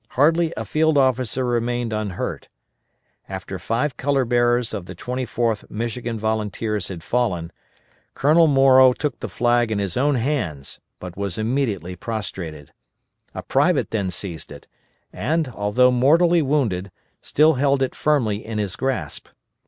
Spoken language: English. Hardly a field officer remained unhurt. After five color bearers of the 24th Michigan Volunteers had fallen, Colonel Morrow took the flag in his own hands, but was immediately prostrated. A private then seized it, and, although mortally wounded, still held it firmly in his grasp.